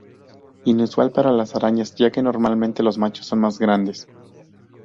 Inusual para las arañas, ya que normalmente los machos son más grandes.